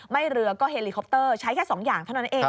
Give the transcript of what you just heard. เรือก็เฮลิคอปเตอร์ใช้แค่๒อย่างเท่านั้นเอง